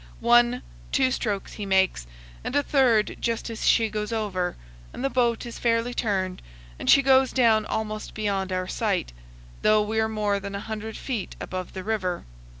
One, two strokes he makes, and a third just as she goes over, and the boat is fairly turned, and she goes down almost beyond our sight, though we are more than a hundred feet above the river.